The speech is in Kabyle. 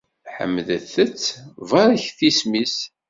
Ḥemdet- t, barket isem-is!